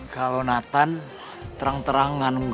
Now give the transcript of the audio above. kalo nathan terang terangan